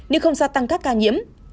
nhưng không gia tăng các ca nhiễm